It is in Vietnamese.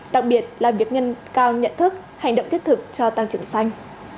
đặc biệt là việc nhân cao nhận thức hành động thiết thực cho tăng trưởng xanh